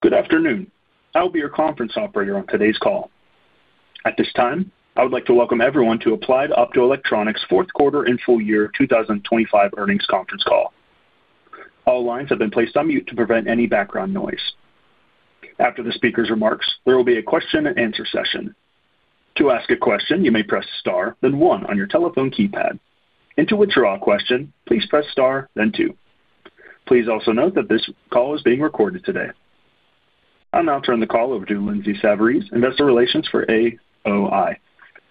Good afternoon. I will be your conference operator on today's call. At this time, I would like to welcome everyone to Applied Optoelectronics fourth quarter and full year 2025 earnings conference call. All lines have been placed on mute to prevent any background noise. After the speaker's remarks, there will be a question-and-answer session. To ask a question, you may press star then one on your telephone keypad. To withdraw a question, please press star then two. Please also note that this call is being recorded today. I'll now turn the call over to Lindsay Savarese, investor relations for AOI.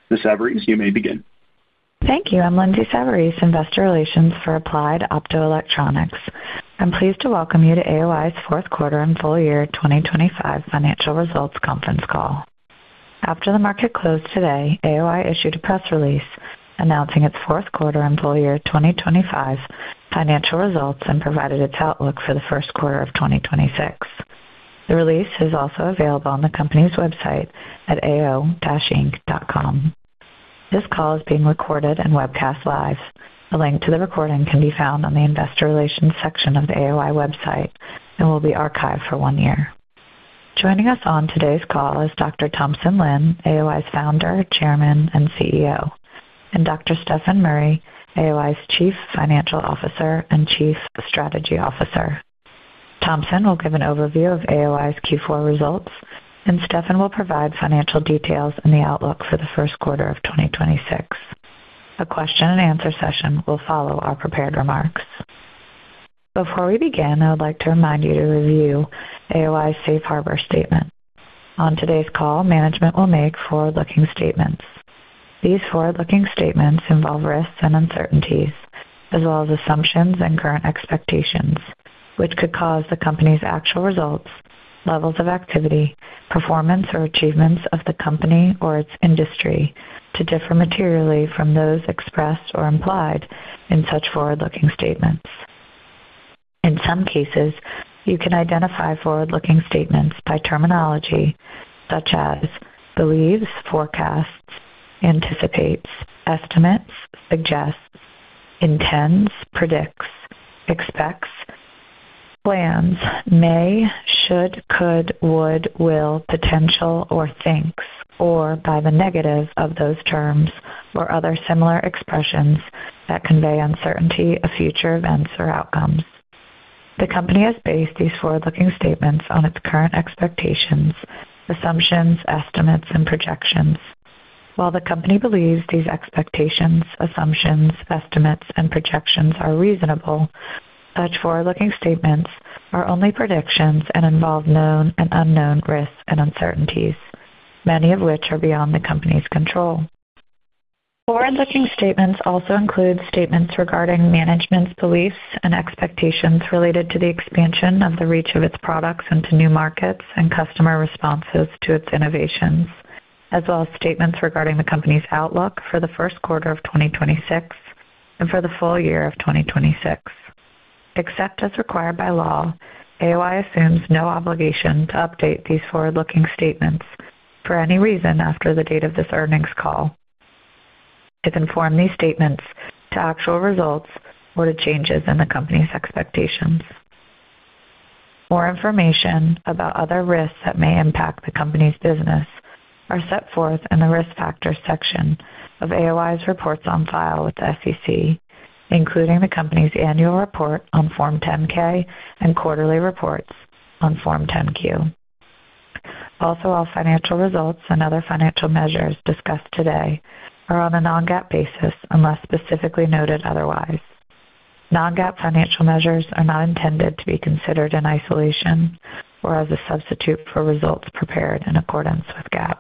Ms. Savarese, you may begin. Thank you. I'm Lindsay Savarese, investor relations for Applied Optoelectronics. I'm pleased to welcome you to AOI's fourth quarter and full year 2025 financial results conference call. After the market closed today, AOI issued a press release announcing its fourth quarter and full year 2025 financial results and provided its outlook for the first quarter of 2026. The release is also available on the company's website at ao-inc.com. This call is being recorded and webcast live. A link to the recording can be found on the investor relations section of the AOI website and will be archived for one year. Joining us on today's call is Dr. Thompson Lin, AOI's Founder, Chairman, and CEO, and Dr. Stefan Murry, AOI's Chief Financial Officer and Chief Strategy Officer. Thompson will give an overview of AOI's Q4 results, and Stefan will provide financial details and the outlook for the first quarter of 2026. A question-and-answer session will follow our prepared remarks. Before we begin, I would like to remind you to review AOI's safe harbor statement. On today's call, management will make forward-looking statements. These forward-looking statements involve risks and uncertainties as well as assumptions and current expectations, which could cause the company's actual results, levels of activity, performance, or achievements of the company or its industry to differ materially from those expressed or implied in such forward-looking statements. In some cases, you can identify forward-looking statements by terminology such as believes, forecasts, anticipates, estimates, suggests, intends, predicts, expects, plans, may, should, could, would, will, potential, or thinks, or by the negative of those terms or other similar expressions that convey uncertainty of future events or outcomes. The company has based these forward-looking statements on its current expectations, assumptions, estimates, and projections. While the company believes these expectations, assumptions, estimates, and projections are reasonable, such forward-looking statements are only predictions and involve known and unknown risks and uncertainties, many of which are beyond the company's control. Forward-looking statements also include statements regarding management's beliefs and expectations related to the expansion of the reach of its products into new markets and customer responses to its innovations, as well as statements regarding the company's outlook for the first quarter of 2026 and for the full year of 2026. Except as required by law, AOI assumes no obligation to update these forward-looking statements for any reason after the date of this earnings call to inform these statements to actual results or to changes in the company's expectations. More information about other risks that may impact the company's business are set forth in the Risk Factors section of AOI's reports on file with the SEC, including the company's annual report on Form 10-K and quarterly reports on Form 10-Q. Also, all financial results and other financial measures discussed today are on a non-GAAP basis unless specifically noted otherwise. Non-GAAP financial measures are not intended to be considered in isolation or as a substitute for results prepared in accordance with GAAP.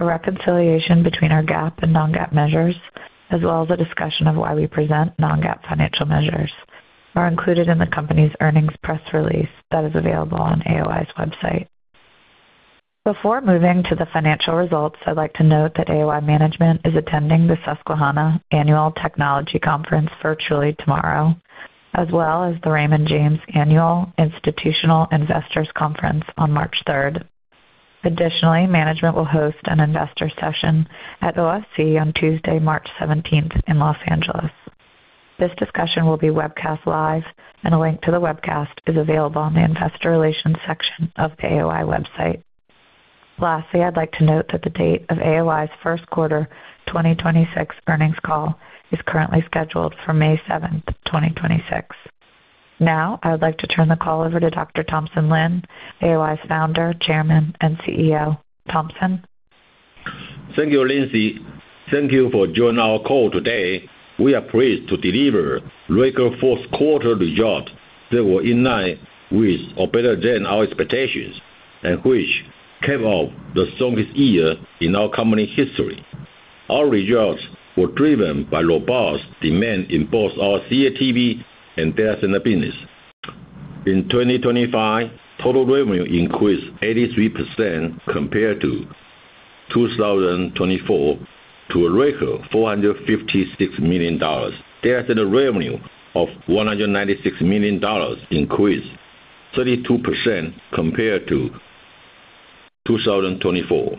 A reconciliation between our GAAP and non-GAAP measures, as well as a discussion of why we present non-GAAP financial measures, are included in the company's earnings press release that is available on AOI's website. Before moving to the financial results, I'd like to note that AOI management is attending the Susquehanna Annual Technology Conference virtually tomorrow, as well as the Raymond James Annual Institutional Investors Conference on March third. Additionally, management will host an investor session at OFC on Tuesday, March 17th in Los Angeles. This discussion will be webcast live and a link to the webcast is available on the investor relations section of the AOI website. Lastly, I'd like to note that the date of AOI's first quarter 2026 earnings call is currently scheduled for May seventh, 2026. I would like to turn the call over to Dr. Thompson Lin, AOI's founder, chairman, and CEO. Thompson? Thank you, Lindsay. Thank you for joining our call today. We are pleased to deliver record fourth quarter results that were in line with or better than our expectations and which cap off the strongest year in our company history. Our results were driven by robust demand in both our CATV and data center business. In 2025, total revenue increased 83% compared to 2024 to a record $456 million. Data center revenue of $196 million increased 32% compared to 2024.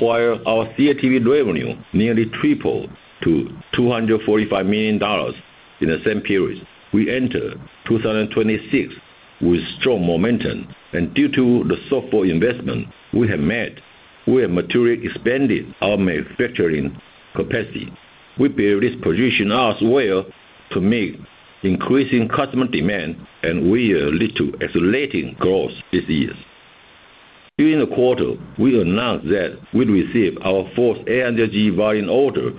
While our CATV revenue nearly tripled to $245 million in the same period. We enter 2026 with strong momentum. Due to the thoughtful investment we have made, we have materially expanded our manufacturing capacity. We believe this positions us well to meet increasing customer demand, and will lead to accelerating growth this year. During the quarter, we announced that we'd received our fourth 800G volume order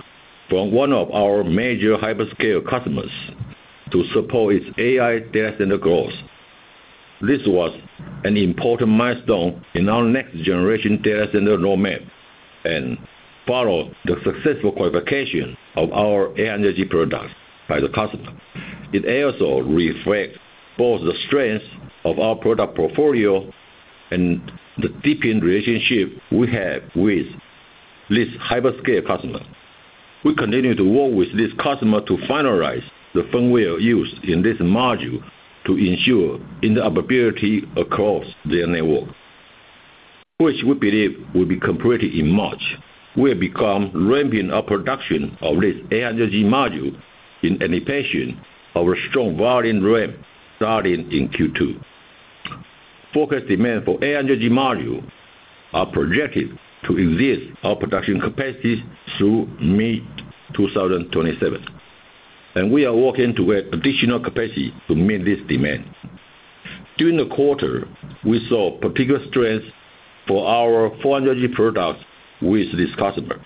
from one of our major hyperscale customers to support its AI data center growth. This was an important milestone in our next generation data center roadmap, and followed the successful qualification of our 800G products by the customer. It also reflects both the strength of our product portfolio and the deepened relationship we have with this hyperscale customer. We continue to work with this customer to finalize the firmware used in this module to ensure interoperability across their network, which we believe will be completed in March. We have begun ramping up production of this 800G module in anticipation of a strong volume ramp starting in Q2. Focus demand for 800G module are projected to exceed our production capacity through mid-2027. We are working to add additional capacity to meet this demand. During the quarter, we saw particular strength for our 400G products with this customer,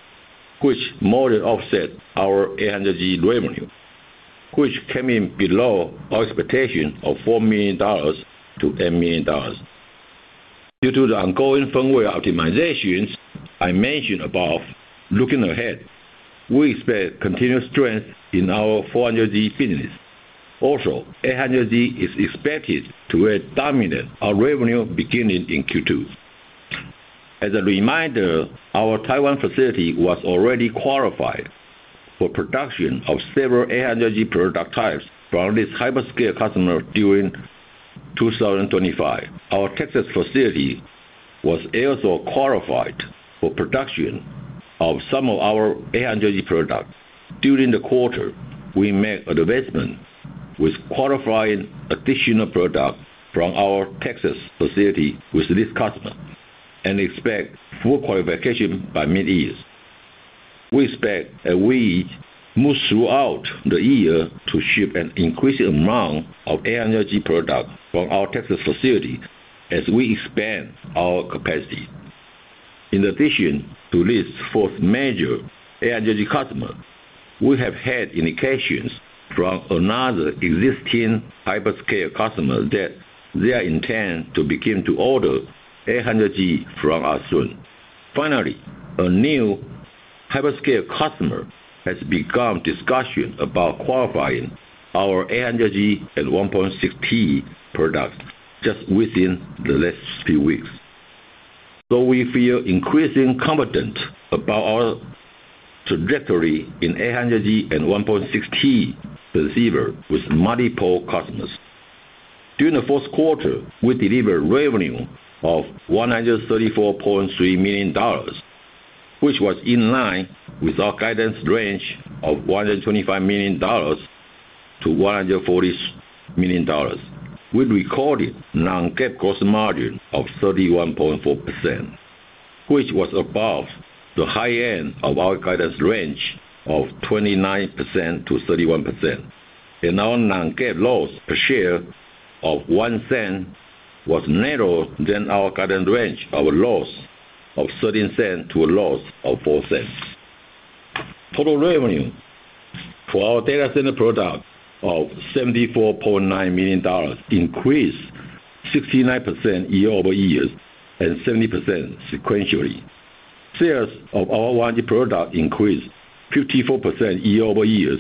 which more than offset our 800G revenue, which came in below our expectation of $4 million-$8 million. Due to the ongoing firmware optimizations I mentioned above, looking ahead, we expect continued strength in our 400G business. 800G is expected to dominate our revenue beginning in Q2. As a reminder, our Taiwan facility was already qualified for production of several 800G product types from this hyperscale customer during 2025. Our Texas facility was also qualified for production of some of our 800G products. During the quarter, we made investments with qualifying additional products from our Texas facility with this customer and expect full qualification by mid-year. We expect that we move throughout the year to ship an increasing amount of 800G products from our Texas facility as we expand our capacity. In addition to this fourth major 800G customer, we have had indications from another existing hyperscale customer that they intend to begin to order 800G from us soon. Finally, a new hyperscale customer has begun discussions about qualifying our 800G and 1.6T product just within the last few weeks. We feel increasing confident about our trajectory in 800G and 1.6T receiver with multiple customers. During the fourth quarter, we delivered revenue of $134.3 million, which was in line with our guidance range of $125 million-$140 million. We recorded non-GAAP gross margin of 31.4%, which was above the high end of our guidance range of 29%-31%. Our non-GAAP loss per share of $0.01 was narrower than our guidance range of a loss of $0.13 to a loss of $0.04. Total revenue for our data center products of $74.9 million increased 69% year-over-year and 70% sequentially. Sales of our 1G product increased 54% year-over-year,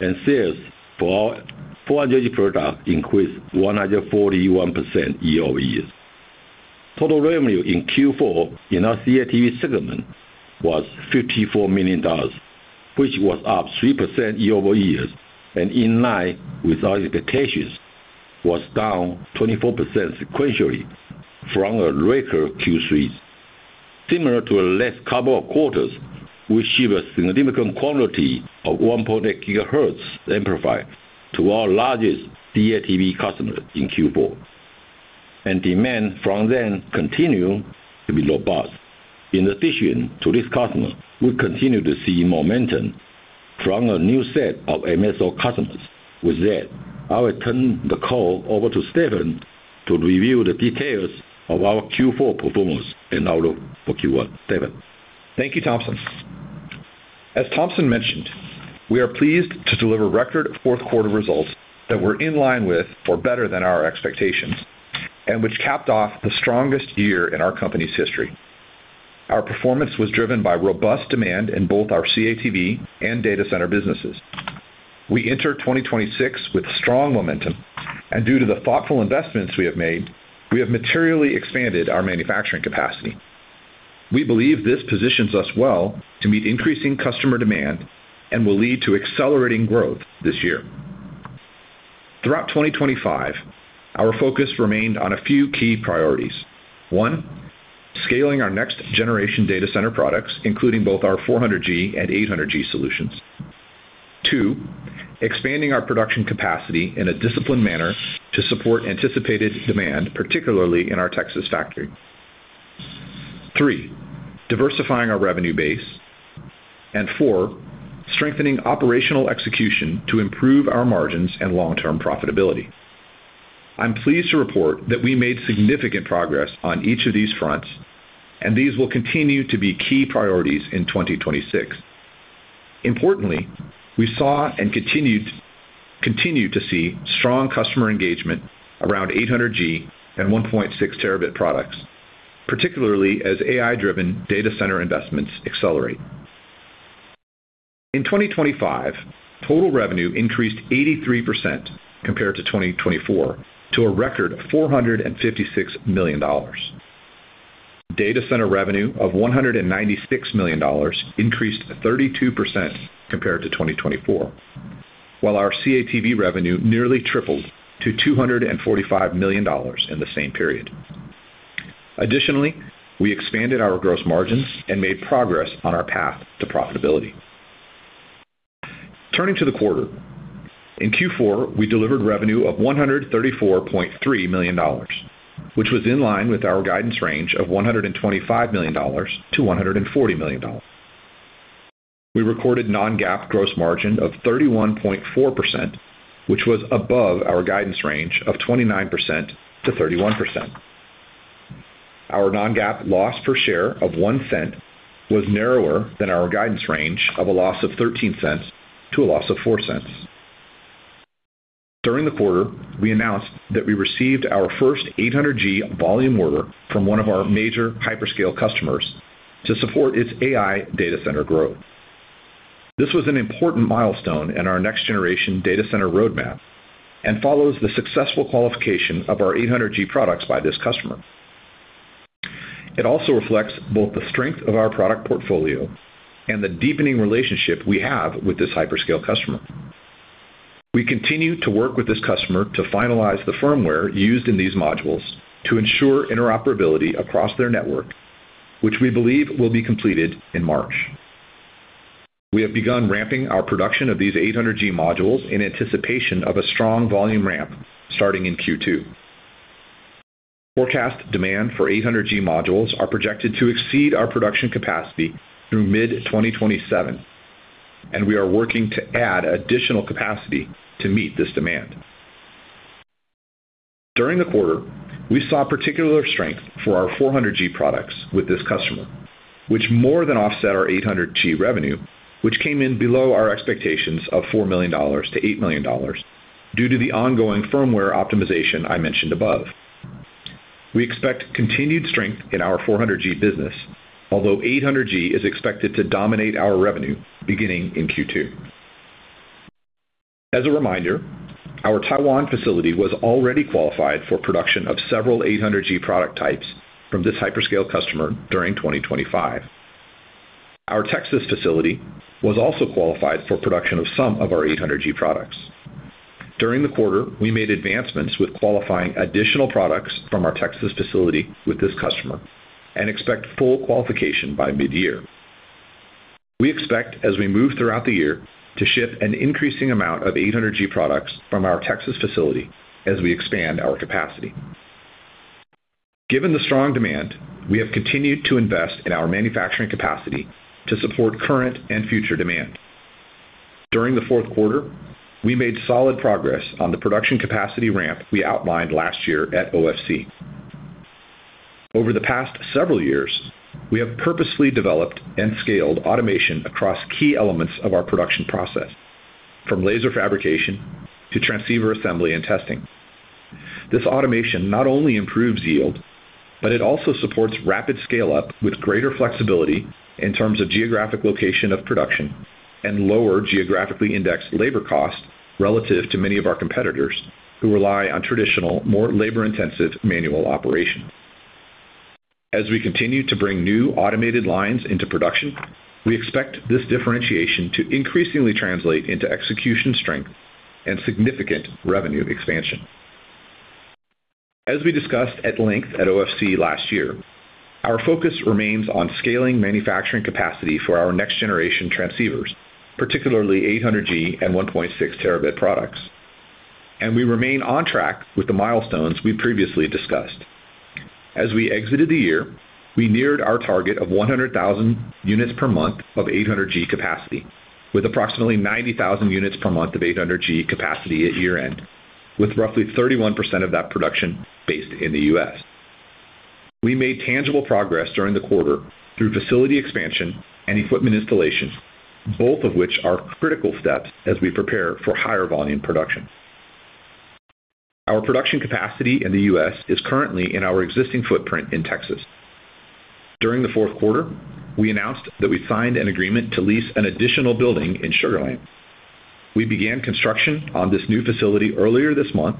and sales for our 400G product increased 141% year-over-year. Total revenue in Q4 in our CATV segment was $54 million, which was up 3% year-over-year and in line with our expectations, was down 24% sequentially from a record Q3. Similar to the last couple of quarters, we shipped a significant quantity of 1.8 GHz amplifier to our largest CATV customer in Q4. Demand from them continue to be robust. In addition to this customer, we continue to see momentum from a new set of MSO customers. With that, I will turn the call over to Stefan to review the details of our Q4 performance and outlook for Q1. Stefan. Thank you, Thompson. As Thompson mentioned, we are pleased to deliver record fourth quarter results that were in line with or better than our expectations, which capped off the strongest year in our company's history. Our performance was driven by robust demand in both our CATV and data center businesses. We enter 2026 with strong momentum, due to the thoughtful investments we have made, we have materially expanded our manufacturing capacity. We believe this positions us well to meet increasing customer demand and will lead to accelerating growth this year. Throughout 2025, our focus remained on a few key priorities. One, scaling our next generation data center products, including both our 400G and 800G solutions. Two, expanding our production capacity in a disciplined manner to support anticipated demand, particularly in our Texas factory. Three, diversifying our revenue base. Four, strengthening operational execution to improve our margins and long-term profitability. I'm pleased to report that we made significant progress on each of these fronts, and these will continue to be key priorities in 2026. Importantly, we saw and continue to see strong customer engagement around 800G and 1.6 Tb products, particularly as AI-driven data center investments accelerate. In 2025, total revenue increased 83% compared to 2024 to a record $456 million. Data center revenue of $196 million increased 32% compared to 2024, while our CATV revenue nearly tripled to $245 million in the same period. Additionally, we expanded our gross margins and made progress on our path to profitability. Turning to the quarter. In Q4, we delivered revenue of $134.3 million, which was in line with our guidance range of $125 million-$140 million. We recorded non-GAAP gross margin of 31.4%, which was above our guidance range of 29%-31%. Our non-GAAP loss per share of $0.01 was narrower than our guidance range of a loss of $0.13 to a loss of $0.04. During the quarter, we announced that we received our first 800G volume order from one of our major hyperscale customers to support its AI data center growth. This was an important milestone in our next generation data center roadmap and follows the successful qualification of our 800G products by this customer. It also reflects both the strength of our product portfolio and the deepening relationship we have with this hyperscale customer. We continue to work with this customer to finalize the firmware used in these modules to ensure interoperability across their network, which we believe will be completed in March. We have begun ramping our production of these 800G modules in anticipation of a strong volume ramp starting in Q2. Forecast demand for 800G modules are projected to exceed our production capacity through mid-2027. We are working to add additional capacity to meet this demand. During the quarter, we saw particular strength for our 400G products with this customer, which more than offset our 800G revenue, which came in below our expectations of $4 million-$8 million due to the ongoing firmware optimization I mentioned above. We expect continued strength in our 400G business, although 800G is expected to dominate our revenue beginning in Q2. As a reminder, our Taiwan facility was already qualified for production of several 800G product types from this hyperscale customer during 2025. Our Texas facility was also qualified for production of some of our 800G products. During the quarter, we made advancements with qualifying additional products from our Texas facility with this customer and expect full qualification by mid-year. We expect, as we move throughout the year, to ship an increasing amount of 800G products from our Texas facility as we expand our capacity. Given the strong demand, we have continued to invest in our manufacturing capacity to support current and future demand. During the fourth quarter, we made solid progress on the production capacity ramp we outlined last year at OFC. Over the past several years, we have purposely developed and scaled automation across key elements of our production process, from laser fabrication to transceiver assembly and testing. This automation not only improves yield, but it also supports rapid scale-up with greater flexibility in terms of geographic location of production and lower geographically indexed labor costs relative to many of our competitors who rely on traditional, more labor-intensive manual operations. As we continue to bring new automated lines into production, we expect this differentiation to increasingly translate into execution strength and significant revenue expansion. As we discussed at length at OFC last year, our focus remains on scaling manufacturing capacity for our next generation transceivers, particularly 800G and 1.6 Tb products. We remain on track with the milestones we previously discussed. As we exited the year, we neared our target of 100,000 units per month of 800G capacity with approximately 90,000 units per month of 800G capacity at year-end, with roughly 31% of that production based in the U.S. We made tangible progress during the quarter through facility expansion and equipment installations, both of which are critical steps as we prepare for higher volume production. Our production capacity in the U.S. is currently in our existing footprint in Texas. During the fourth quarter, we announced that we signed an agreement to lease an additional building in Sugar Land. We began construction on this new facility earlier this month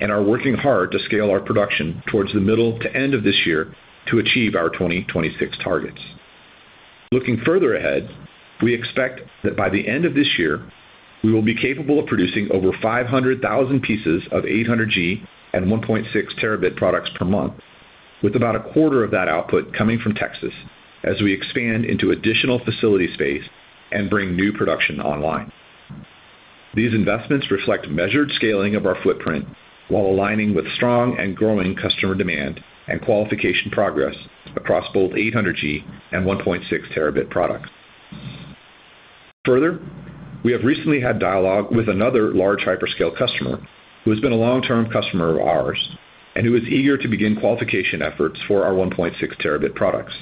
and are working hard to scale our production towards the middle to end of this year to achieve our 2026 targets. Looking further ahead, we expect that by the end of this year, we will be capable of producing over 500,000 pieces of 800G and 1.6 Tb products per month, with about a quarter of that output coming from Texas as we expand into additional facility space and bring new production online. These investments reflect measured scaling of our footprint while aligning with strong and growing customer demand and qualification progress across both 800G and 1.6 Tb products. Further, we have recently had dialogue with another large hyperscale customer who has been a long-term customer of ours and who is eager to begin qualification efforts for our 1.6 Tb products.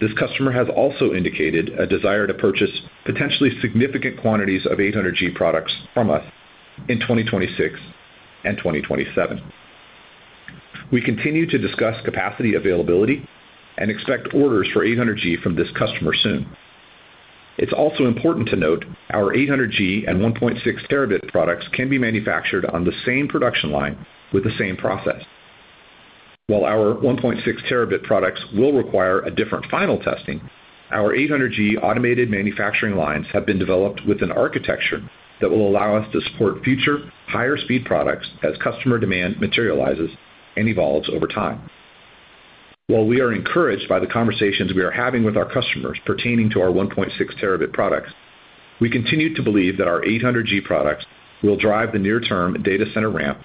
This customer has also indicated a desire to purchase potentially significant quantities of 800G products from us in 2026 and 2027. We continue to discuss capacity availability and expect orders for 800G from this customer soon. It's also important to note our 800G and 1.6 Tb products can be manufactured on the same production line with the same process. While our 1.6 Tb products will require a different final testing, our 800G automated manufacturing lines have been developed with an architecture that will allow us to support future higher-speed products as customer demand materializes and evolves over time. While we are encouraged by the conversations we are having with our customers pertaining to our 1.6T products, we continue to believe that our 800G products will drive the near-term data center ramp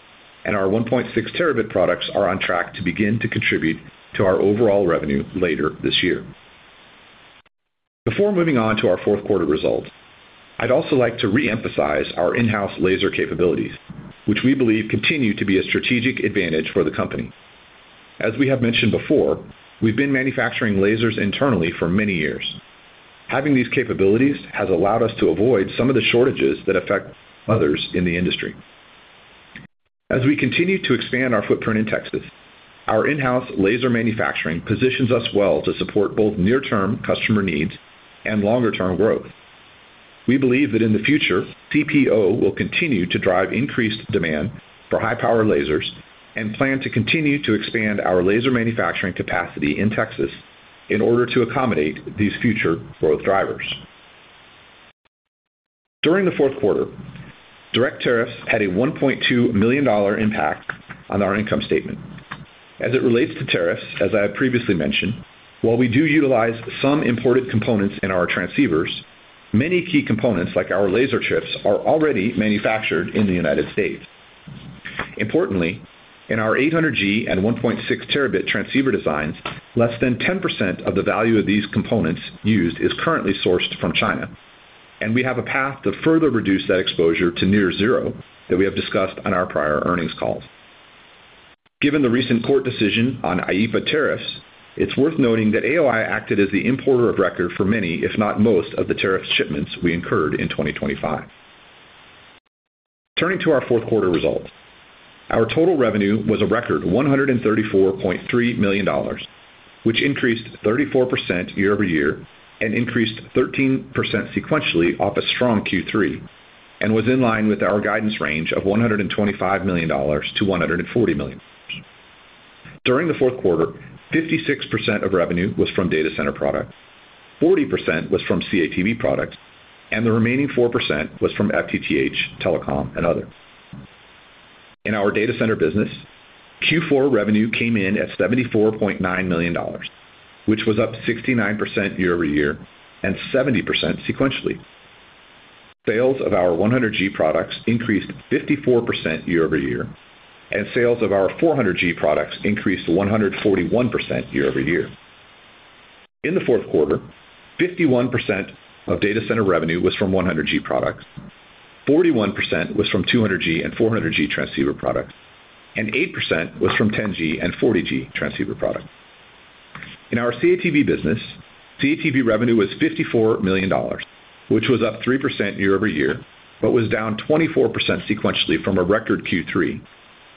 and our 1.6T products are on track to begin to contribute to our overall revenue later this year. Before moving on to our fourth quarter results, I'd also like to reemphasize our in-house laser capabilities, which we believe continue to be a strategic advantage for the company. We have mentioned before, we've been manufacturing lasers internally for many years. Having these capabilities has allowed us to avoid some of the shortages that affect others in the industry. We continue to expand our footprint in Texas, our in-house laser manufacturing positions us well to support both near-term customer needs and longer-term growth. We believe that in the future, CPO will continue to drive increased demand for high-power lasers and plan to continue to expand our laser manufacturing capacity in Texas in order to accommodate these future growth drivers. During the fourth quarter, direct tariffs had a $1.2 million impact on our income statement. As it relates to tariffs, as I have previously mentioned, while we do utilize some imported components in our transceivers, many key components, like our laser chips, are already manufactured in the United States. Importantly, in our 800G and 1.6T transceiver designs, less than 10% of the value of these components used is currently sourced from China, and we have a path to further reduce that exposure to near zero that we have discussed on our prior earnings calls. Given the recent court decision on IEEPA tariffs, it's worth noting that AOI acted as the importer of record for many, if not most, of the tariff shipments we incurred in 2025. Turning to our fourth quarter results. Our total revenue was a record $134.3 million, which increased 34% year-over-year and increased 13% sequentially off a strong Q3 and was in line with our guidance range of $125 million-$140 million. During the fourth quarter, 56% of revenue was from data center products, 40% was from CATV products, and the remaining 4% was from FTTH, telecom, and other. In our data center business, Q4 revenue came in at $74.9 million, which was up 69% year-over-year and 70% sequentially. Sales of our 100G products increased 54% year-over-year, and sales of our 400G products increased 141% year-over-year. In the fourth quarter, 51% of data center revenue was from 100G products, 41% was from 200G and 400G transceiver products, and 8% was from 10G and 40G transceiver products. In our CATV business, CATV revenue was $54 million, which was up 3% year-over-year, but was down 24% sequentially from a record Q3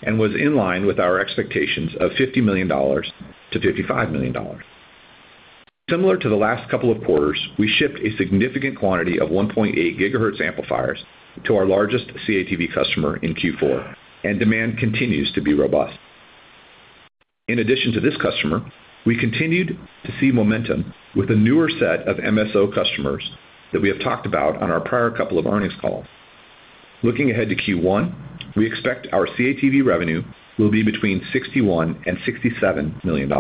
and was in line with our expectations of $50 million-$55 million. Similar to the last couple of quarters, we shipped a significant quantity of 1.8 GHz amplifiers to our largest CATV customer in Q4, and demand continues to be robust. In addition to this customer, we continued to see momentum with a newer set of MSO customers that we have talked about on our prior couple of earnings calls. Looking ahead to Q1, we expect our CATV revenue will be between $61 million and $67 million.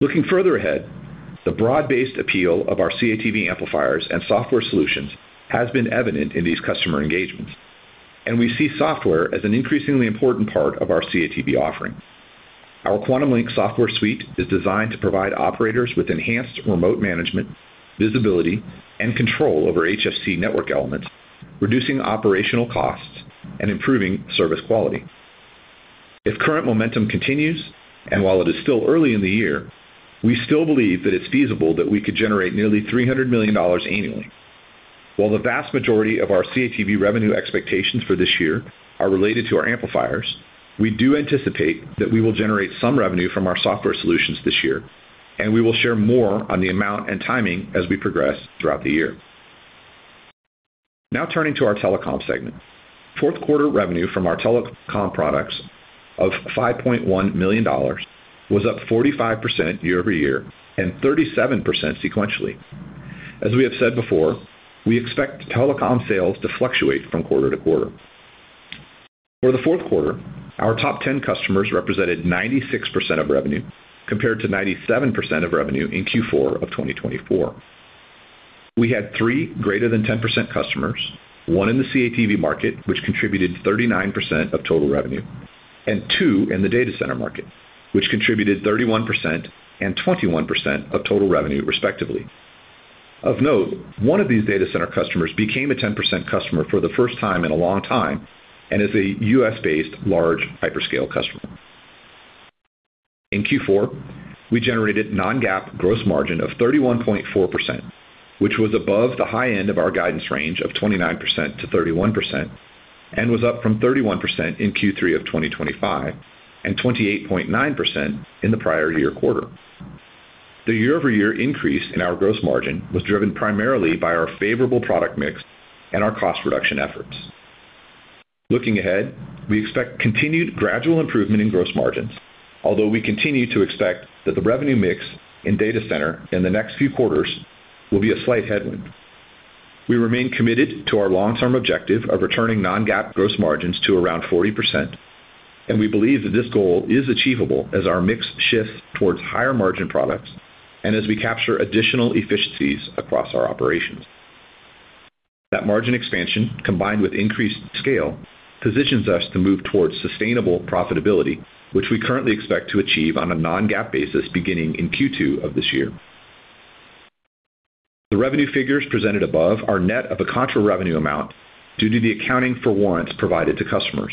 Looking further ahead, the broad-based appeal of our CATV amplifiers and software solutions has been evident in these customer engagements, and we see software as an increasingly important part of our CATV offering. Our QuantumLink software suite is designed to provide operators with enhanced remote management, visibility, and control over HFC network elements, reducing operational costs and improving service quality. If current momentum continues, and while it is still early in the year, we still believe that it's feasible that we could generate nearly $300 million annually. While the vast majority of our CATV revenue expectations for this year are related to our amplifiers, we do anticipate that we will generate some revenue from our software solutions this year, and we will share more on the amount and timing as we progress throughout the year. Turning to our telecom segment. Fourth quarter revenue from our telecom products of $5.1 million was up 45% year-over-year and 37% sequentially. As we have said before, we expect telecom sales to fluctuate from quarter to quarter. For the fourth quarter, our top 10 customers represented 96% of revenue, compared to 97% of revenue in Q4 of 2024. We had three greater than 10% customers, one in the CATV market, which contributed 39% of total revenue, and two in the data center market, which contributed 31% and 21% of total revenue respectively. Of note, one of these data center customers became a 10% customer for the first time in a long time and is a U.S.-based large hyperscale customer. In Q4, we generated non-GAAP gross margin of 31.4%, which was above the high end of our guidance range of 29%-31% and was up from 31% in Q3 of 2025 and 28.9% in the prior year quarter. The year-over-year increase in our gross margin was driven primarily by our favorable product mix and our cost reduction efforts. Looking ahead, we expect continued gradual improvement in gross margins, although we continue to expect that the revenue mix in data center in the next few quarters will be a slight headwind. We remain committed to our long-term objective of returning non-GAAP gross margins to around 40%. We believe that this goal is achievable as our mix shifts towards higher margin products and as we capture additional efficiencies across our operations. That margin expansion, combined with increased scale, positions us to move towards sustainable profitability, which we currently expect to achieve on a non-GAAP basis beginning in Q2 of this year. The revenue figures presented above are net of a contra revenue amount due to the accounting for warrants provided to customers.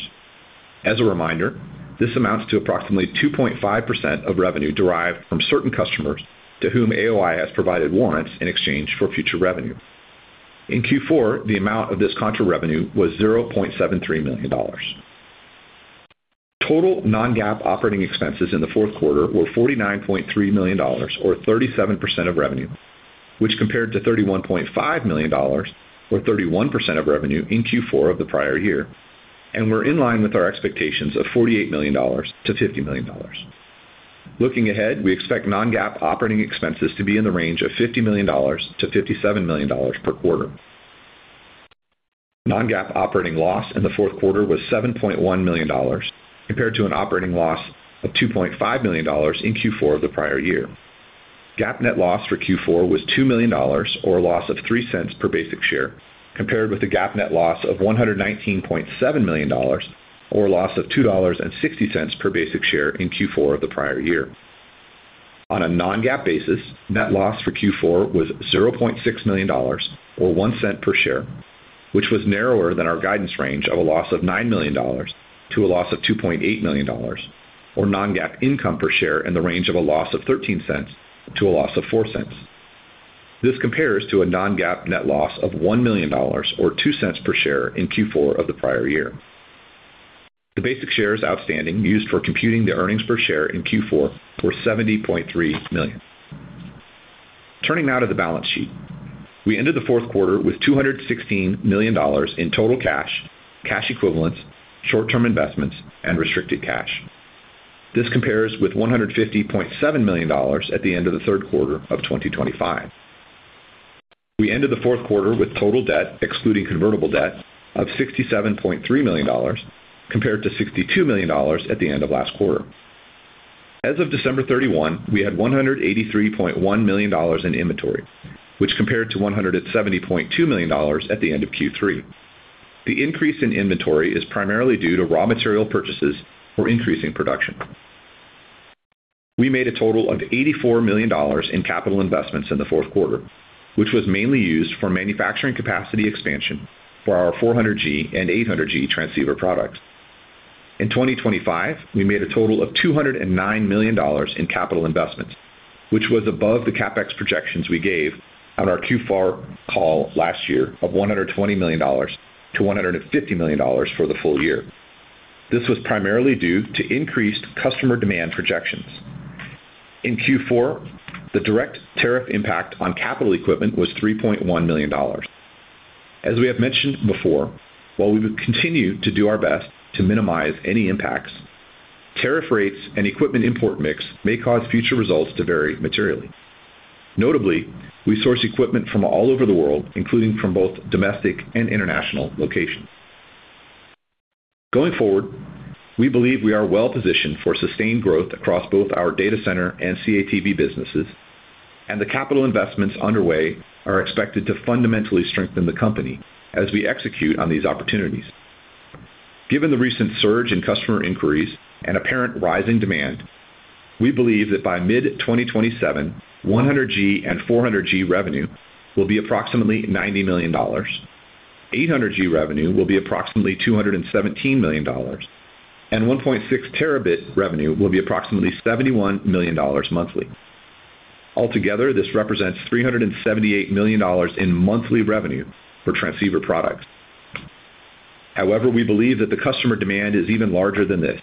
As a reminder, this amounts to approximately 2.5% of revenue derived from certain customers to whom AOI has provided warrants in exchange for future revenue. In Q4, the amount of this contra revenue was $0.73 million. Total non-GAAP operating expenses in the fourth quarter were $49.3 million or 37% of revenue, which compared to $31.5 million or 31% of revenue in Q4 of the prior year and were in line with our expectations of $48 million-$50 million. Looking ahead, we expect non-GAAP operating expenses to be in the range of $50 million-$57 million per quarter. Non-GAAP operating loss in the fourth quarter was $7.1 million compared to an operating loss of $2.5 million in Q4 of the prior year. GAAP net loss for Q4 was $2 million or a loss of $0.03 per basic share, compared with a GAAP net loss of $119.7 million or a loss of $2.60 per basic share in Q4 of the prior year. On a non-GAAP basis, net loss for Q4 was $0.6 million or $0.01 per share, which was narrower than our guidance range of a loss of $9 million to a loss of $2.8 million, or non-GAAP income per share in the range of a loss of $0.13 to a loss of $0.04. This compares to a non-GAAP net loss of $1 million or $0.02 per share in Q4 of the prior year. The basic shares outstanding used for computing the earnings per share in Q4 were 70.3 million. Turning now to the balance sheet. We ended the fourth quarter with $216 million in total cash equivalents, short-term investments, and restricted cash. This compares with $150.7 million at the end of the third quarter of 2025. We ended the fourth quarter with total debt, excluding convertible debt, of $67.3 million, compared to $62 million at the end of last quarter. As of December 31, we had $183.1 million in inventory, which compared to $170.2 million at the end of Q3. The increase in inventory is primarily due to raw material purchases for increasing production. We made a total of $84 million in capital investments in the fourth quarter, which was mainly used for manufacturing capacity expansion for our 400G and 800G transceiver products. In 2025, we made a total of $209 million in capital investments, which was above the CapEx projections we gave on our Q4 call last year of $120 million-$150 million for the full year. This was primarily due to increased customer demand projections. In Q4, the direct tariff impact on capital equipment was $3.1 million. As we have mentioned before, while we will continue to do our best to minimize any impacts, tariff rates and equipment import mix may cause future results to vary materially. Notably, we source equipment from all over the world, including from both domestic and international locations. Going forward, we believe we are well positioned for sustained growth across both our data center and CATV businesses, and the capital investments underway are expected to fundamentally strengthen the company as we execute on these opportunities. Given the recent surge in customer inquiries and apparent rising demand, we believe that by mid-2027, 100G and 400G revenue will be approximately $90 million. 800G revenue will be approximately $217 million, and 1.6T revenue will be approximately $71 million monthly. Altogether, this represents $378 million in monthly revenue for transceiver products. However, we believe that the customer demand is even larger than this.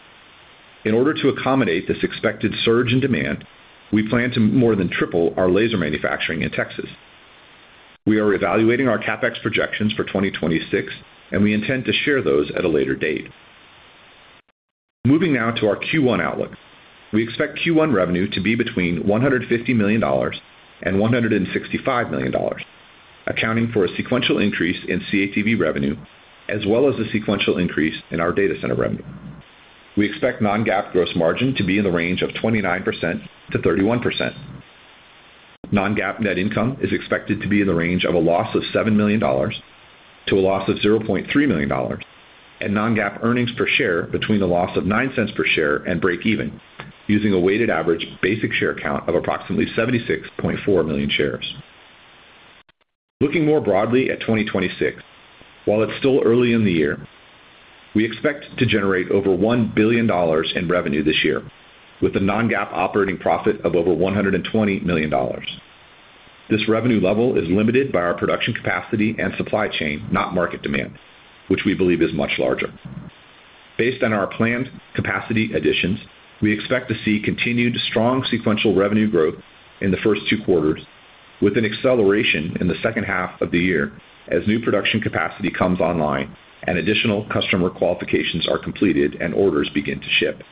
In order to accommodate this expected surge in demand, we plan to more than triple our laser manufacturing in Texas. We are evaluating our CapEx projections for 2026, and we intend to share those at a later date. Moving now to our Q1 outlook. We expect Q1 revenue to be between $150 million and $165 million, accounting for a sequential increase in CATV revenue, as well as a sequential increase in our data center revenue. We expect non-GAAP gross margin to be in the range of 29%-31%. Non-GAAP net income is expected to be in the range of a loss of $7 million to a loss of $0.3 million, and non-GAAP earnings per share between a loss of $0.09 per share and break even, using a weighted average basic share count of approximately 76.4 million shares. Looking more broadly at 2026, while it's still early in the year, we expect to generate over $1 billion in revenue this year with a non-GAAP operating profit of over $120 million. This revenue level is limited by our production capacity and supply chain, not market demand, which we believe is much larger. Based on our planned capacity additions, we expect to see continued strong sequential revenue growth in the first two quarters, with an acceleration in the second half of the year as new production capacity comes online and additional customer qualifications are completed and orders begin to ship.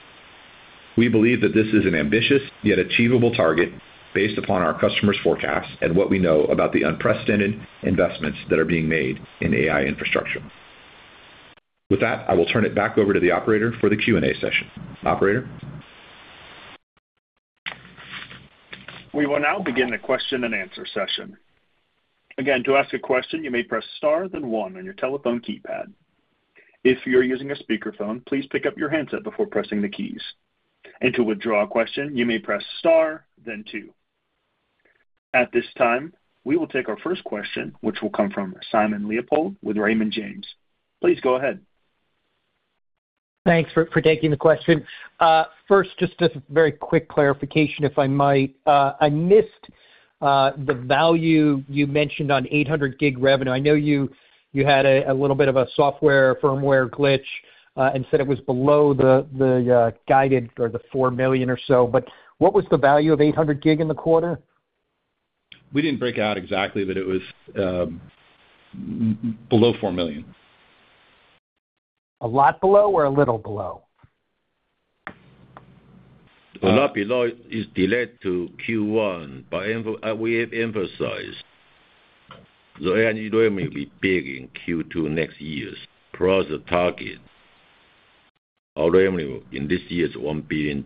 We believe that this is an ambitious yet achievable target based upon our customers' forecasts and what we know about the unprecedented investments that are being made in AI infrastructure. With that, I will turn it back over to the operator for the Q&A session. Operator? We will now begin the question-and-answer session. Again, to ask a question, you may press star then one on your telephone keypad. If you're using a speakerphone, please pick up your handset before pressing the keys. To withdraw a question, you may press star then two. At this time, we will take our first question, which will come from Simon Leopold with Raymond James. Please go ahead. Thanks for taking the question. First, just a very quick clarification, if I might. I missed, the value you mentioned on 800G revenue. I know you had a little bit of a software firmware glitch, and said it was below the guided or the $4 million or so. But what was the value of 800G in the quarter? We didn't break out exactly, but it was below $4 million. A lot below or a little below? A lot below is delayed to Q1, but we have emphasized the annual revenue will be big in Q2 next year. The target of revenue in this year is $1 billion.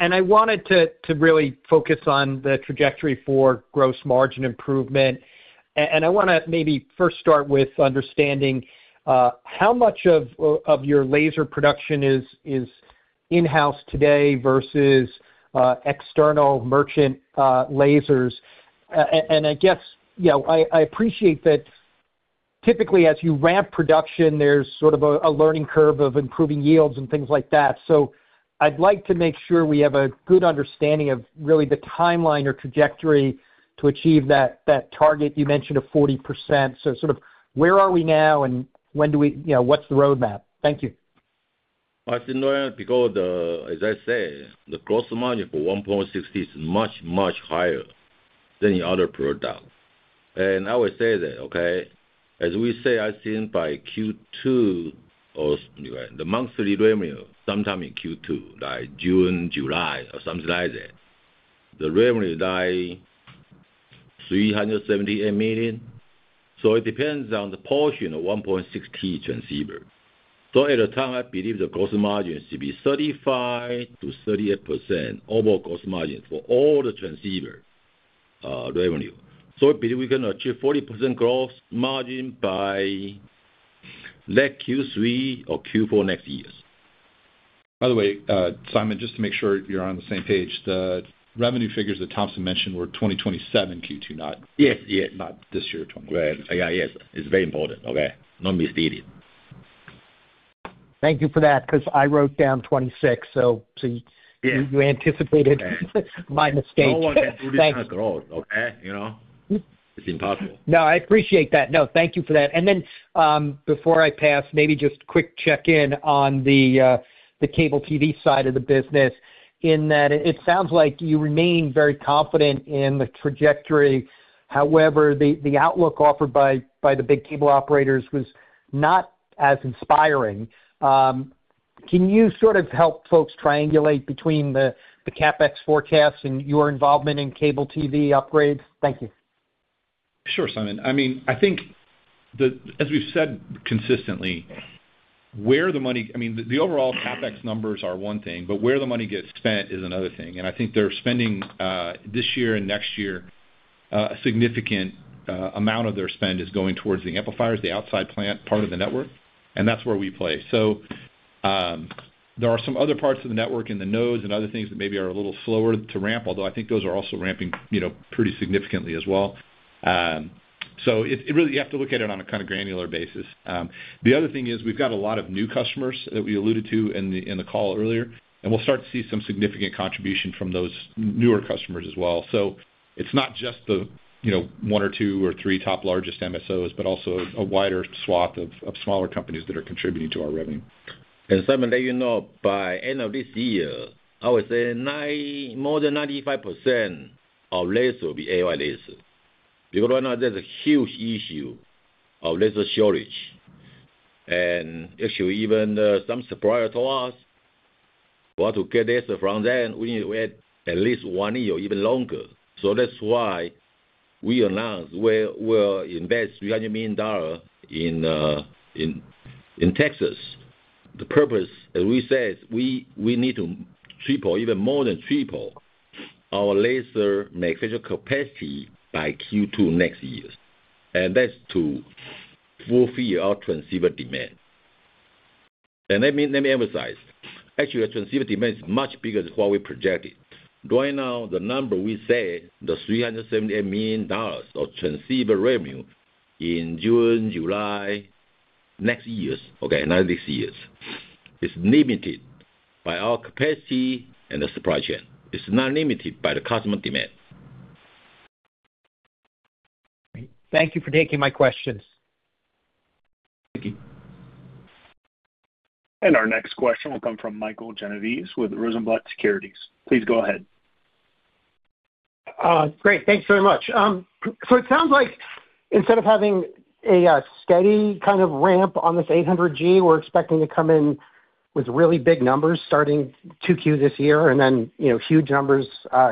I wanted to really focus on the trajectory for gross margin improvement. I wanna maybe first start with understanding how much of your laser production is in-house today versus external merchant lasers. I guess, you know, I appreciate that typically as you ramp production, there's sort of a learning curve of improving yields and things like that. I'd like to make sure we have a good understanding of really the timeline or trajectory to achieve that target you mentioned of 40%. Sort of where are we now and You know, what's the roadmap? Thank you. I think because, as I say, the gross margin for 1.6T is much, much higher than the other product. I will say that, okay, as we say, I think by Q2 or the monthly revenue, sometime in Q2, like June, July, or something like that, the revenue is like $378 million. It depends on the portion of 1.6T transceiver. At the time, I believe the gross margin should be 35%-38% overall gross margin for all the transceiver revenue. I believe we can achieve 40% gross margin by late Q3 or Q4 next year. By the way, Simon, just to make sure you're on the same page, the revenue figures that Thompson mentioned were 2027 Q2. Yes, yes. Not this year. Yeah. Yes. It's very important, okay? No misleading. Thank you for that, 'cause I wrote down 2026. Yeah. You anticipated my mistake. No one can do this kind of growth, okay? You know? It's impossible. No, I appreciate that. No, thank you for that. Before I pass, maybe just quick check-in on the cable TV side of the business in that it sounds like you remain very confident in the trajectory. However, the outlook offered by the big cable operators was not as inspiring. Can you sort of help folks triangulate between the CapEx forecasts and your involvement in cable TV upgrades? Thank you. Sure, Simon. I mean, I think As we've said consistently, where the money I mean, the overall CapEx numbers are one thing, but where the money gets spent is another thing. I think they're spending, this year and next year, a significant amount of their spend is going towards the amplifiers, the outside plant part of the network, and that's where we play. There are some other parts of the network in the nodes and other things that maybe are a little slower to ramp, although I think those are also ramping, you know, pretty significantly as well. Really you have to look at it on a kind of granular basis. The other thing is we've got a lot of new customers that we alluded to in the call earlier. We'll start to see some significant contribution from those newer customers as well. It's not just the, you know, one or two or three top largest MSOs, but also a wider swath of smaller companies that are contributing to our revenue. Simon let you know by end of this year, I would say more than 95% of laser will be AI laser. Right now there's a huge issue of laser shortage. Actually even, some supplier told us, want to get laser from them, we need to wait at least one year or even longer. That's why we announced we're invest $300 million in Texas. The purpose, as we said, we need to triple, even more than triple our laser manufacture capacity by Q2 next year. That's to fulfill our transceiver demand. Let me emphasize. Actually, our transceiver demand is much bigger than what we projected. Right now, the number we said, the $378 million of transceiver revenue in June, July next year, okay, not this year, is limited by our capacity and the supply chain. It's not limited by the customer demand. Thank you for taking my questions. Thank you. Our next question will come from Michael Genovese with Rosenblatt Securities. Please go ahead. Great. Thanks very much. It sounds like instead of having a steady kind of ramp on this 800G, we're expecting to come in with really big numbers starting 2Q this year and then, you know, huge numbers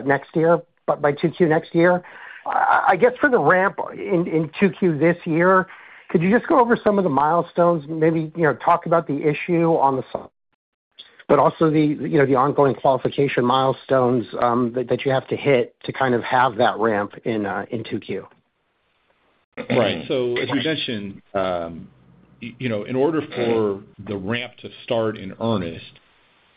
next year. By 2Q next year. I guess for the ramp in 2Q this year, could you just go over some of the milestones, maybe, you know, talk about the issue on the but also the, you know, the ongoing qualification milestones that you have to hit to kind of have that ramp in 2Q. Right. As we mentioned, in order for the ramp to start in earnest,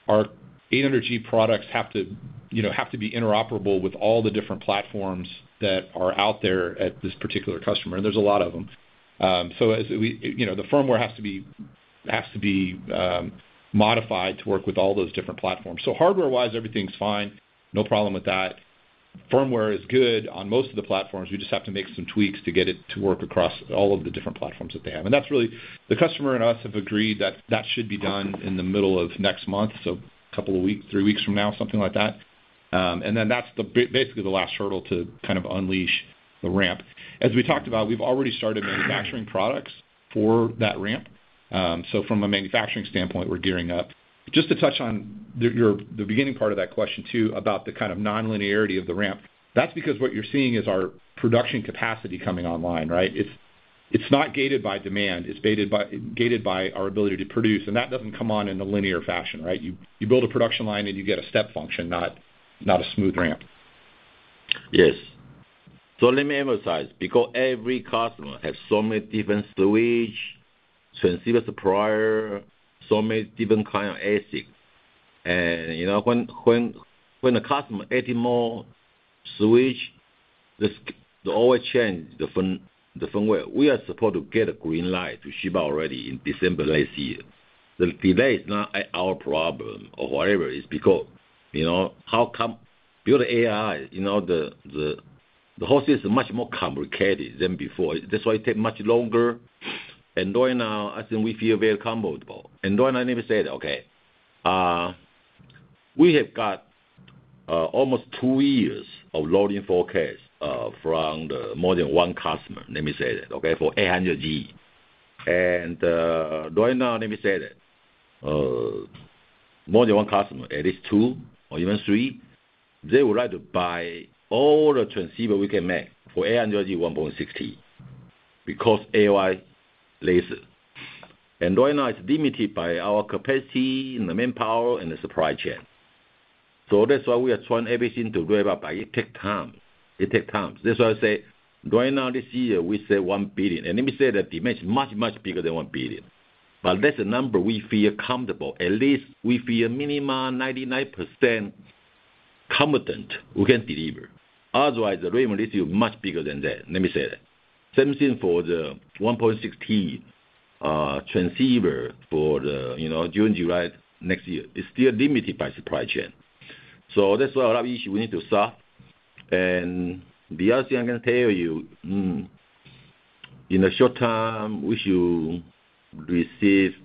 our 800G products have to be interoperable with all the different platforms that are out there at this particular customer. There's a lot of them. As we, the firmware has to be modified to work with all those different platforms. Hardware wise, everything's fine. No problem with that. Firmware is good on most of the platforms. We just have to make some tweaks to get it to work across all of the different platforms that they have. That's really the customer and us have agreed that that should be done in the middle of next month. A couple of weeks, three weeks from now, something like that. Then that's basically the last hurdle to kind of unleash the ramp. As we talked about, we've already started manufacturing products for that ramp. From a manufacturing standpoint, we're gearing up. Just to touch on the, your, the beginning part of that question too, about the kind of nonlinearity of the ramp. That's because what you're seeing is our production capacity coming online, right? It's not gated by demand. It's gated by our ability to produce, and that doesn't come on in a linear fashion, right? You, you build a production line, and you get a step function, not a smooth ramp. Yes. Let me emphasize, because every customer has so many different switch, transceiver supplier, so many different kind of ASIC. You know, when a customer adding more switch, they always change the firmware. We are supposed to get a green light to ship already in December last year. The delay is not our problem or whatever, it's because, you know, how come build AI, you know, the whole system much more complicated than before. That's why it take much longer. Right now, I think we feel very comfortable. Don't I never said, okay, we have got almost two years of loading forecast from the more than one customer, let me say that, okay. For 800G. Right now, let me say that more than one customer, at least two or even three, they would like to buy all the transceiver we can make for 800G 1.6T because AI laser. Right now it's limited by our capacity and the manpower and the supply chain. That's why we are trying everything to drive up, but it take time. It take time. That's why I say right now this year we say $1 billion. Let me say the demand is much, much bigger than $1 billion. That's the number we feel comfortable. At least we feel minimum 99% confident we can deliver. Otherwise the revenue this year much bigger than that. Let me say that. Same thing for the 1.6T transceiver for the, you know, June, July next year. It's still limited by supply chain. That's why a lot of issue we need to solve. The other thing I can tell you, in the short term, we should receive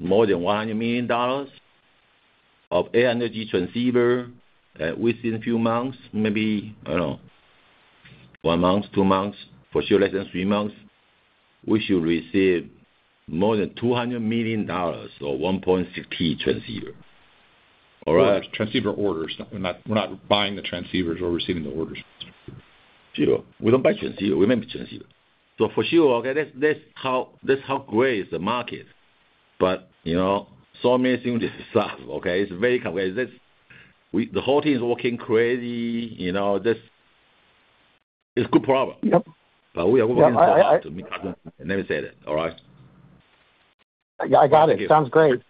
more than $100 million of 800G transceiver within a few months, maybe, I don't know, one month, two months, for sure less than three months, we should receive more than $200 million of 1.6T transceiver. All right? Transceiver orders. We're not, we're not buying the transceivers. We're receiving the orders. Sure. We don't buy transceiver. We make transceiver. For sure. Okay? That's how great is the market. You know, so many things to solve. Okay? It's very complex. The whole team is working crazy. You know, this, it's good problem. Yep. We are working so hard to meet Let me say that, all right? Yeah, I got it. Sounds great.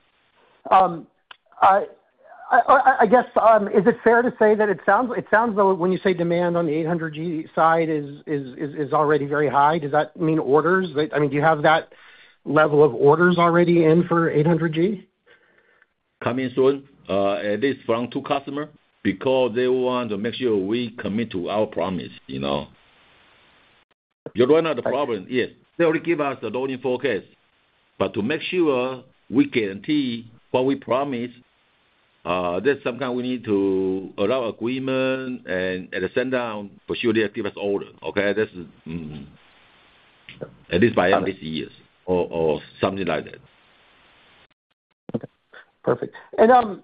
I guess, is it fair to say that it sounds though when you say demand on the 800G side is already very high, does that mean orders? Like, I mean, do you have that level of orders already in for 800G? Coming soon, at least from two customer because they want to make sure we commit to our promise, you know. You're going out the problem. Yes. They only give us the loading forecast, but to make sure we guarantee what we promise, there's some kind we need to allow agreement and at the send down, for sure they give us order. Okay? This is. At least by end of this years or something like that. Okay. Perfect.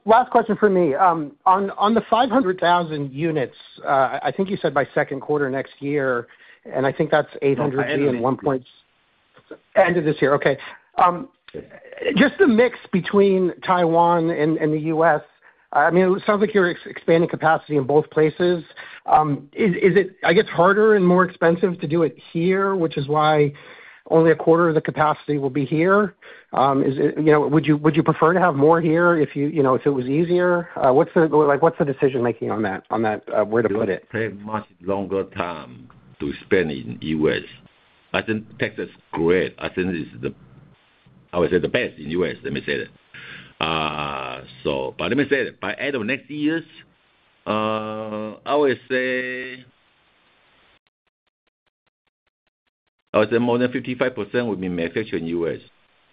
Last question from me, on the 500,000 units, I think you said by second quarter next year, and I think that's 800G and one point. End of this year. Okay. Just the mix between Taiwan and the U.S., I mean, it sounds like you're expanding capacity in both places. Is it, I guess, harder and more expensive to do it here, which is why only a quarter of the capacity will be here? Is it, you know, would you prefer to have more here if you know, if it was easier? What's the, like, what's the decision-making on that, where to put it? It will take much longer time to spend in U.S. I think Texas is great. I think it's the, I would say, the best in U.S. Let me say that. Let me say that by end of next years, I would say more than 55% will be manufactured in U.S.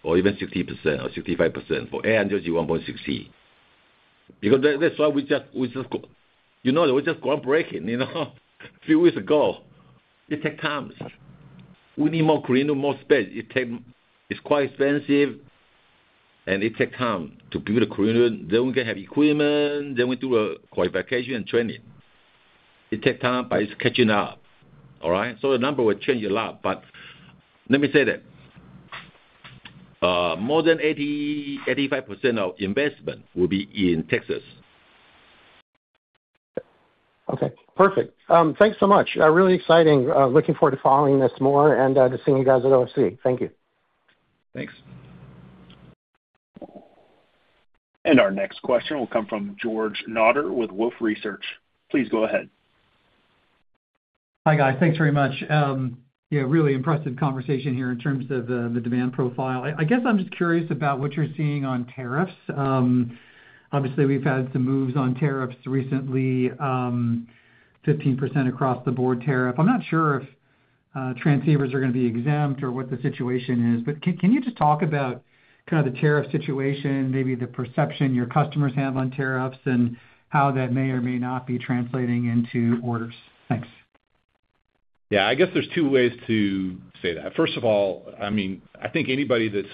or even 60% or 65% for 800G 1.60. Because that's why we just groundbreaking, you know, few weeks ago. It take time. We need more clean room, more space. It's quite expensive, and it take time to build a clean room, then we can have equipment, then we do a qualification and training. It take time, but it's catching up. All right? The number will change a lot, but let me say that, more than 80, 85% of investment will be in Texas. Okay. Perfect. Thanks so much. Really exciting. Looking forward to following this more and to seeing you guys at OFC. Thank you. Thanks. Our next question will come from George Notter with Wolfe Research. Please go ahead. Hi, guys. Thanks very much. Really impressive conversation here in terms of the demand profile. I guess I'm just curious about what you're seeing on tariffs. Obviously we've had some moves on tariffs recently, 15% across the board tariff. I'm not sure if, transceivers are gonna be exempt or what the situation is, but can you just talk about kind of the tariff situation, maybe the perception your customers have on tariffs and how that may or may not be translating into orders? Thanks. I guess there's two ways to say that. First of all, I mean, I think anybody that's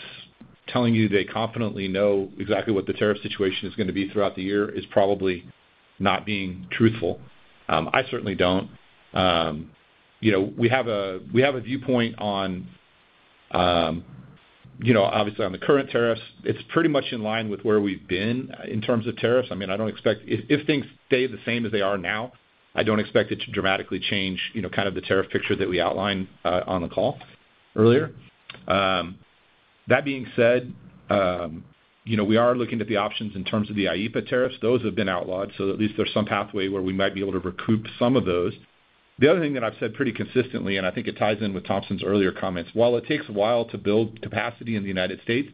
telling you they confidently know exactly what the tariff situation is gonna be throughout the year is probably not being truthful. I certainly don't. You know, we have a, we have a viewpoint on, you know, obviously on the current tariffs. It's pretty much in line with where we've been in terms of tariffs. I mean, I don't expect... If things stay the same as they are now, I don't expect it to dramatically change, you know, kind of the tariff picture that we outlined on the call earlier. That being said, you know, we are looking at the options in terms of the IEEPA tariffs. Those have been outlawed. At least there's some pathway where we might be able to recoup some of those. The other thing that I've said pretty consistently, and I think it ties in with Thompson's earlier comments, while it takes a while to build capacity in the United States,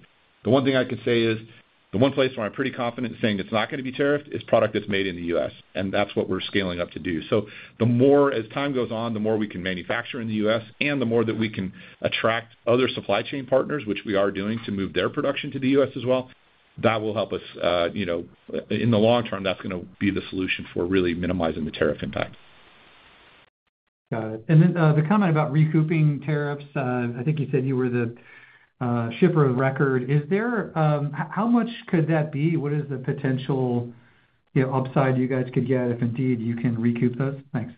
the one thing I can say is, the one place where I'm pretty confident saying it's not gonna be tariffed is product that's made in the U.S., and that's what we're scaling up to do. As time goes on, the more we can manufacture in the U.S. and the more that we can attract other supply chain partners, which we are doing, to move their production to the U.S. as well, that will help us, you know, in the long term, that's gonna be the solution for really minimizing the tariff impact. Got it. The comment about recouping tariffs, I think you said you were the shipper of record. Is there? How much could that be? What is the potential, you know, upside you guys could get if indeed you can recoup those? Thanks.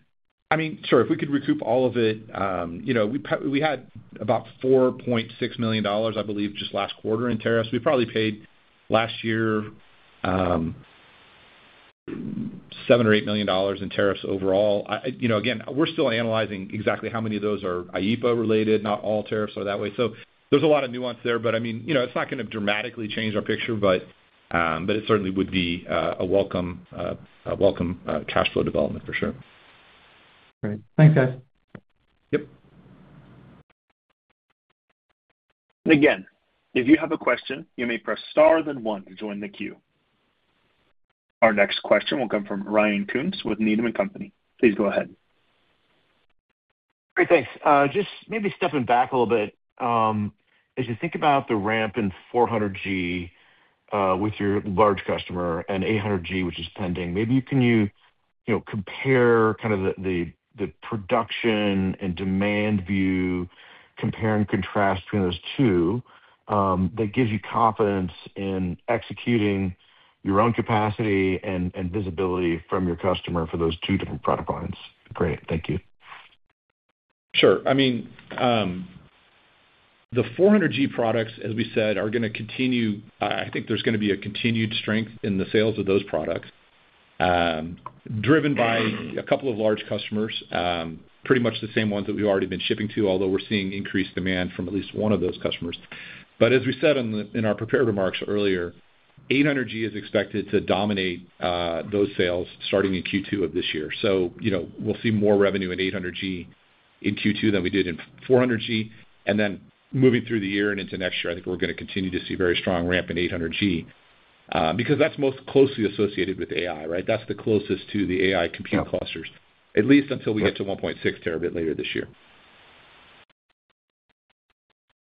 I mean, sure. If we could recoup all of it, you know, we had about $4.6 million, I believe, just last quarter in tariffs. We probably paid last year, $7 million-$8 million in tariffs overall. you know, again, we're still analyzing exactly how many of those are IEEPA related. Not all tariffs are that way. There's a lot of nuance there. I mean, you know, it's not gonna dramatically change our picture, but it certainly would be a welcome, a welcome, cash flow development for sure. Great. Thanks, guys. Yep. Again, if you have a question, you may press star then one to join the queue. Our next question will come from Ryan Koontz with Needham & Company. Please go ahead. Great. Thanks. Just maybe stepping back a little bit, as you think about the ramp in 400G with your large customer and 800G, which is pending, maybe can you know, compare kind of the production and demand view, compare and contrast between those two that gives you confidence in executing your own capacity and visibility from your customer for those two different product lines? Great. Thank you. Sure. I mean, the 400G products, as we said, are gonna continue. I think there's gonna be a continued strength in the sales of those products, driven by a couple of large customers, pretty much the same ones that we've already been shipping to, although we're seeing increased demand from at least one of those customers. As we said in our prepared remarks earlier, 800G is expected to dominate those sales starting in Q2 of this year. You know, we'll see more revenue in 800G in Q2 than we did in 400G. Then moving through the year and into next year, I think we're gonna continue to see very strong ramp in 800G, because that's most closely associated with AI, right? That's the closest to the AI compute clusters, at least until we get to 1.6 Tb later this year.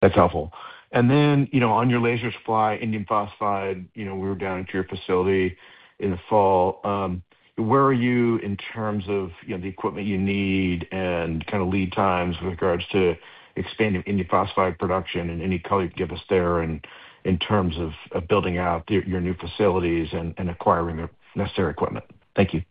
That's helpful. You know, on your laser die, indium phosphide, you know, we were down at your facility in the fall. Where are you in terms of, you know, the equipment you need and kinda lead times with regards to expanding indium phosphide production and any color you can give us there in terms of building out your new facilities and acquiring the necessary equipment? Thank you.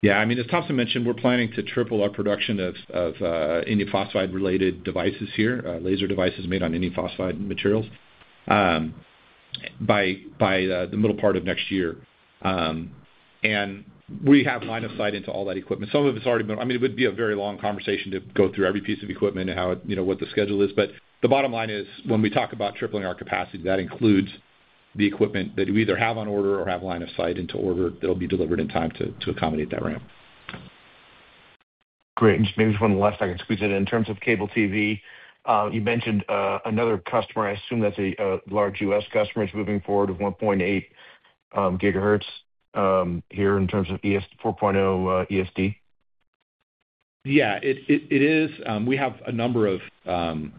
Yeah. I mean, as Thompson mentioned, we're planning to triple our production of indium phosphide-related devices here, laser devices made on indium phosphide materials, by the middle part of next year. We have line of sight into all that equipment. Some of it's already been. I mean, it would be a very long conversation to go through every piece of equipment and how it, you know, what the schedule is. The bottom line is, when we talk about tripling our capacity, that includes the equipment that we either have on order or have line of sight into order that'll be delivered in time to accommodate that ramp. Great. Just maybe one last thing I can squeeze in. In terms of cable TV, you mentioned another customer. I assume that's a large U.S. customer that's moving forward with 1.8 GHz here in terms of 4.0 ESD. Yeah. It is, we have a number of customers.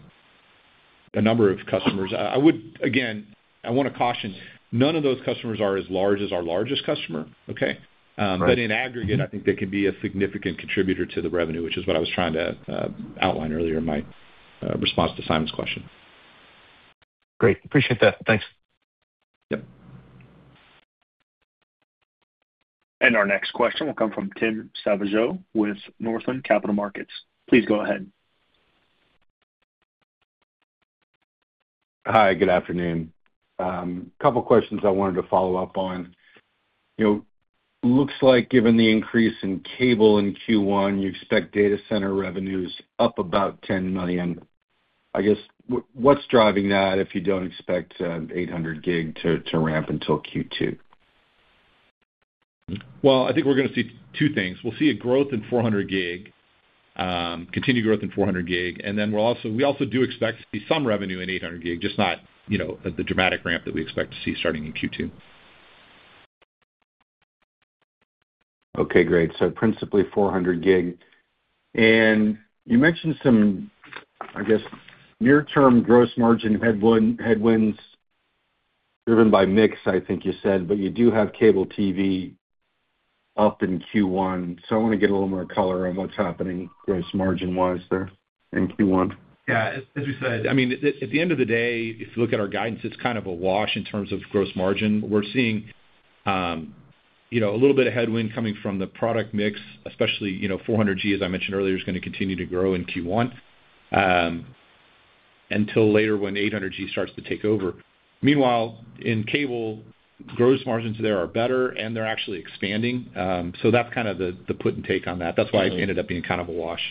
Again, I wanna caution, none of those customers are as large as our largest customer. Okay? Right. In aggregate, I think they could be a significant contributor to the revenue, which is what I was trying to outline earlier in my response to Simon's question. Great. Appreciate that. Thanks. Yep. Our next question will come from Tim Savageaux with Northland Capital Markets. Please go ahead. Hi, good afternoon. Couple questions I wanted to follow up on. You know, looks like given the increase in cable in Q1, you expect data center revenues up about $10 million. I guess, what's driving that if you don't expect, 800G to ramp until Q2? Well, I think we're gonna see two things. We'll see a growth in 400G, continued growth in 400G, and then we also do expect to see some revenue in 800G, just not, you know, the dramatic ramp that we expect to see starting in Q2. Principally 400G. You mentioned some, I guess, near term gross margin headwinds driven by mix, I think you said, but you do have CATV up in Q1. I wanna get a little more color on what's happening gross margin-wise there in Q1. As we said, I mean, at the end of the day, if you look at our guidance, it's kind of a wash in terms of gross margin. We're seeing, you know, a little bit of headwind coming from the product mix, especially, you know, 400G, as I mentioned earlier, is gonna continue to grow in Q1, until later when 800G starts to take over. In cable, gross margins there are better, and they're actually expanding. That's kind of the put and take on that. That's why it ended up being kind of a wash.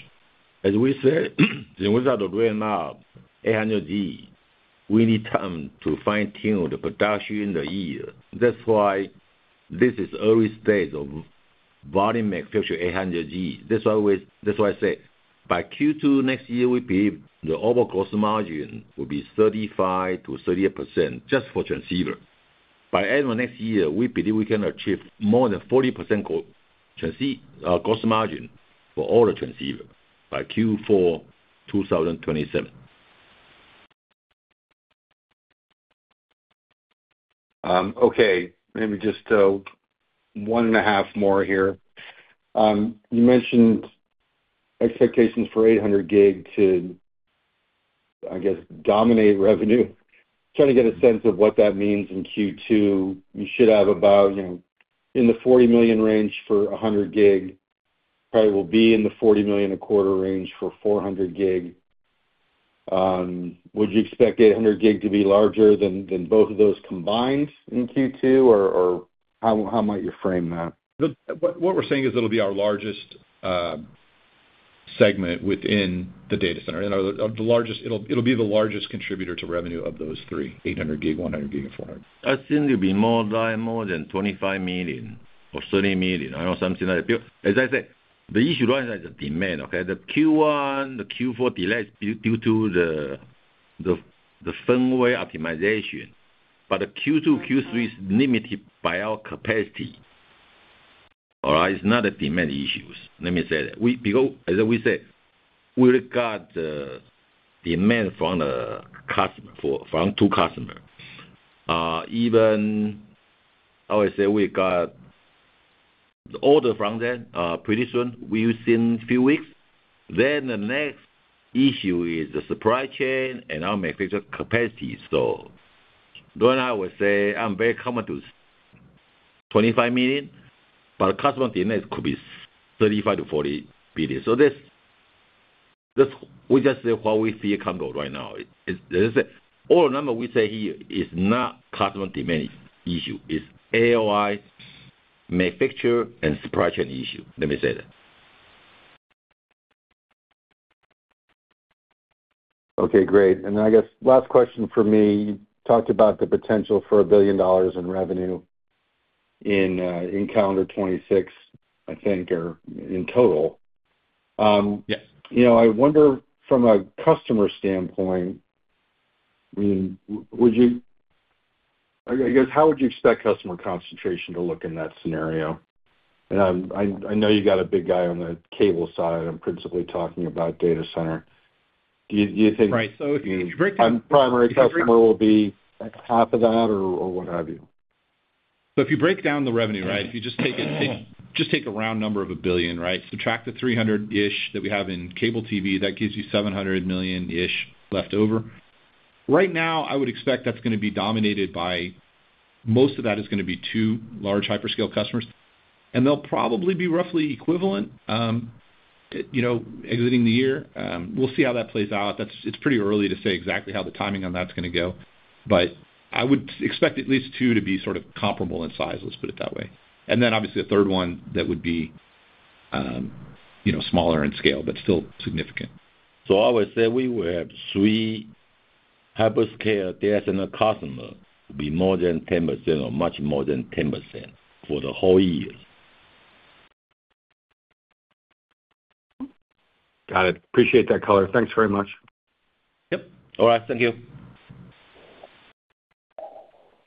As we said, in order to bring up 800G, we need time to fine-tune the production in the year. That's why this is early stage of volume manufacture 800G. That's why I say by Q2 next year, we believe the overall gross margin will be 35%-38% just for transceiver. By end of next year, we believe we can achieve more than 40% gross margin for all the transceiver by Q4 2027. Okay. Maybe just one and a half more here. You mentioned expectations for 800G to, I guess, dominate revenue. Trying to get a sense of what that means in Q2. You should have about, you know, in the $40 million range for 100G, probably will be in the $40 million a quarter range for 400G. Would you expect 800G to be larger than both of those combined in Q2? How might you frame that? What we're saying is it'll be our largest segment within the data center. It'll be the largest contributor to revenue of those three, 800G, 100G and 400G. I think it'll be more like more than $25 million or $30 million or something like that. As I said, the issue lies at the demand, okay? The Q1, Q4 delay is due to the firmware optimization, but the Q2, Q3 is limited by our capacity. All right? It's not a demand issues, let me say that. Because as I we said, we regard the demand from the customer from two customer. Even how I say, we got the order from them pretty soon. We'll see in few weeks. The next issue is the supply chain and our manufacture capacity. Right now I would say I'm very confident with $25 million, but customer demand could be $35 million-$40 million. That's we just said what we see it come out right now. It, let's say, all the number we say here is not customer demand issue. It's AOI manufacture and supply chain issue. Let me say that. Okay, great. I guess last question for me, you talked about the potential for $1 billion in revenue in calendar 2026, I think, or in total. Yes. You know, I wonder from a customer standpoint, I mean, I guess how would you expect customer concentration to look in that scenario? I know you got a big guy on the cable side. I'm principally talking about data center. Do you think? Right. if you break down- One primary customer will be half of that or what have you? If you break down the revenue, right? If you just take it, just take a round number of $1 billion, right? Subtract the $300 million-ish that we have in cable TV, that gives you $700 million-ish left over. Right now, I would expect that's gonna be dominated by, most of that is gonna be two large hyperscale customers. They'll probably be roughly equivalent, you know, exiting the year. We'll see how that plays out. It's pretty early to say exactly how the timing on that's gonna go. I would expect at least two to be sort of comparable in size, let's put it that way. Then obviously a third one that would be, you know, smaller in scale, but still significant. I would say we will have three hyperscale data center customer to be more than 10% or much more than 10% for the whole year. Got it. Appreciate that color. Thanks very much. Yep. All right. Thank you.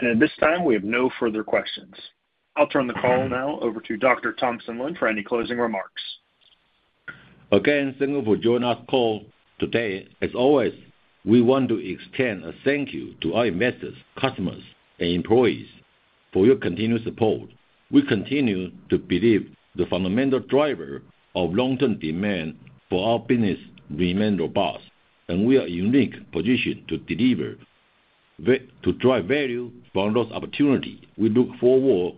At this time, we have no further questions. I'll turn the call now over to Dr. Thompson Lin for any closing remarks. Again, thank you for joining our call today. As always, we want to extend a thank you to our investors, customers, and employees for your continued support. We continue to believe the fundamental driver of long-term demand for our business remain robust, we are in unique position to deliver to drive value from those opportunity. We look forward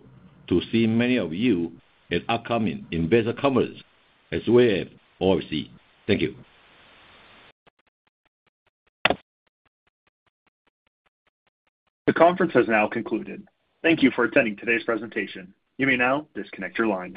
to seeing many of you at upcoming investor conference as well as OFC. Thank you. The conference has now concluded. Thank you for attending today's presentation. You may now disconnect your lines.